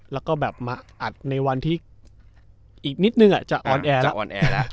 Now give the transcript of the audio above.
แล้วก็มาอัดในวันที่อีกนิดนึงจะออนแอร์แล้ว